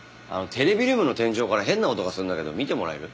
テレビルームの天井から変な音がするんだけど見てもらえる？